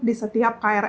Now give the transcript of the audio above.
di setiap karyawan